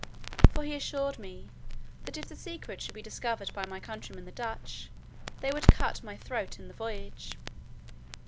For he assured me, that if the secret should be discovered by my countrymen the Dutch, they would cut my throat in the voyage."